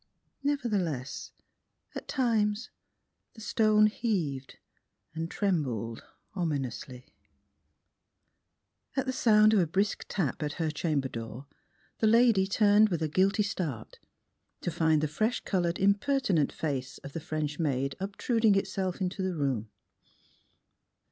Nevertheless, at times the stone heaved and trembled ominously. At sound of a brisk tap at her chamber door the lady turned with a guilty start to find the fresh colored, imperti nent face of the French maid obtruding itself into the room.